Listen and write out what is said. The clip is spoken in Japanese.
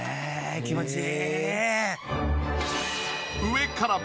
気持ちいい？